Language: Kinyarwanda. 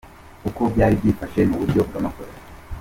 Uko byari byifashe mu buryo bw’amafoto.